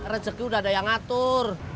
rezeki udah ada yang ngatur